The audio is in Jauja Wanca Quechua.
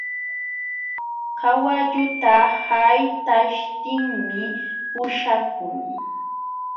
Kawalluta haytaśhtinmi puśhakun.